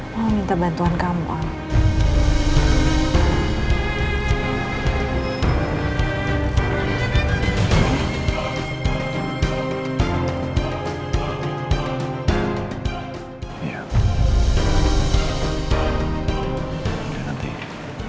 mama minta bantuan kamu al